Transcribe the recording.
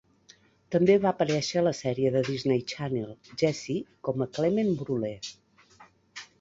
També va aparèixer a la sèrie de Disney Channel "Jessie" com a "Clement Brulee".